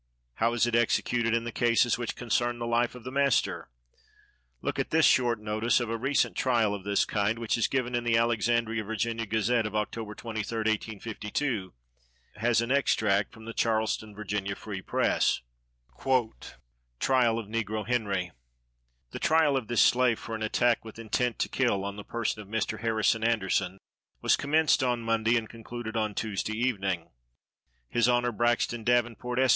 How is it executed in the cases which concern the life of the master? Look at this short notice of a recent trial of this kind, which is given in the Alexandria (Va.) Gazette, of Oct. 23, 1852, as an extract from the Charlestown (Va.) Free Press. TRIAL OF NEGRO HENRY. The trial of this slave for an attack, with intent to kill, on the person of Mr. Harrison Anderson, was commenced on Monday and concluded on Tuesday evening. His Honor, Braxton Davenport, Esq.